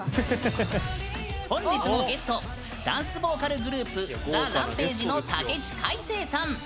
本日のゲストダンスボーカルグループＴＨＥＲＡＭＰＡＧＥの武知海青さん。